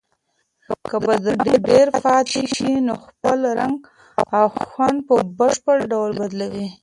که بادرنګ ډېر پاتې شي نو خپل رنګ او خوند په بشپړ ډول بدلوي.